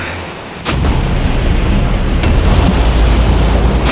jadi aku akan mencari